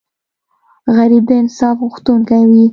غریب د انصاف غوښتونکی وي